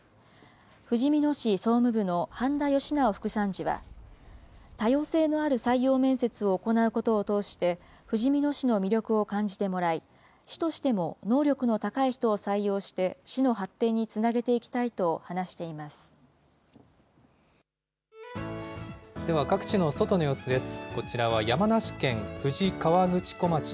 ふじみ野市総務部の半田義直副参事は、多様性のある採用面接を行うことを通して、ふじみ野市の魅力を感じてもらい、市としても能力の高い人を採用して、市の発展につなげていきたいと話しています。